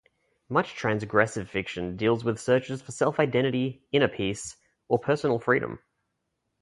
Much transgressive fiction deals with searches for self-identity, inner peace, or personal freedom.